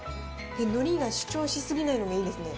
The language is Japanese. のりが主張しすぎないのがいいですね。